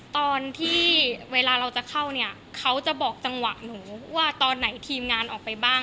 ตอนที่เวลาเราจะเข้าเนี่ยเขาจะบอกจังหวะหนูว่าตอนไหนทีมงานออกไปบ้าง